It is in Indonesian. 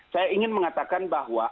saya ingin mengatakan bahwa